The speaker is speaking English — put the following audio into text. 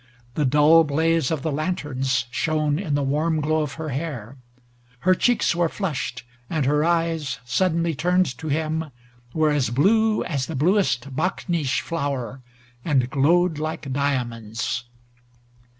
The dull blaze of the lanterns shone in the warm glow of her hair. Her cheeks were flushed, and her eyes, suddenly turned to him, were as blue as the bluest bakneesh flower and glowed like diamonds.